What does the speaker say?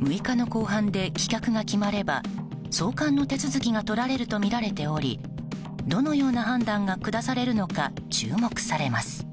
６日の公判で棄却が決まれば送還の手続きがとられるとみられておりどのような判断が下されるのか注目されます。